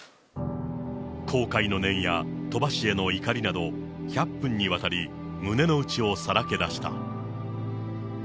後悔の念や鳥羽氏への怒りなど、１００分にわたり胸の内をさらけ出した。